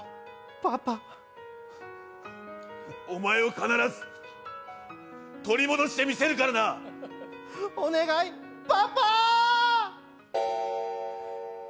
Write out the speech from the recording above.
パパお前を必ず取り戻してみせるからなお願いパパ！